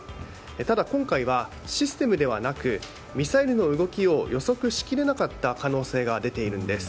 ただ、今回はシステムではなくミサイルの動きを予測しきれなかった可能性が出ているんです。